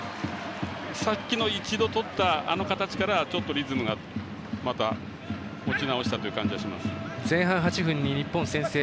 さっきの一度とった、あの形からちょっとリズムがまた持ち直した前半８分に日本先制。